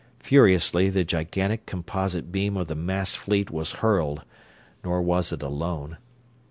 Furiously the gigantic composite beam of the massed fleet was hurled, nor was it alone.